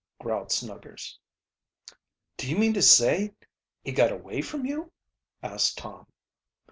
growled Snuggers. "Do you mean to say he got away from you?" asked Tom.